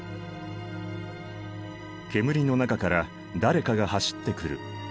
煙の中から誰かが走ってくる。